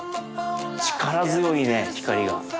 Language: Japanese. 力強いね光が。